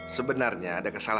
sebenarnya adakah salah paham